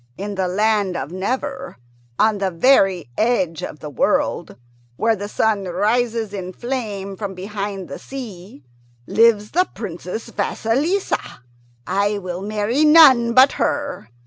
In the land of Never, on the very edge of the world, where the red sun rises in flame from behind the sea, lives the Princess Vasilissa. I will marry none but her.